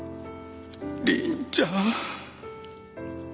凛ちゃん。